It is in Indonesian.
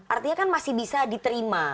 artinya kan masih bisa diterima